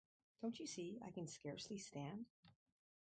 Don’t you see I can scarcely stand?